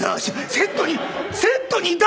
セットにセットにいたのよ